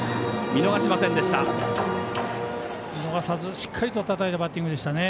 見逃さずしっかりとたたいたバッティングでしたね。